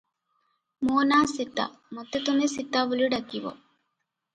ମୋ ନା' ସୀତା, ମତେ ତୁମେ ସୀତା ବୋଲି ଡାକିବ ।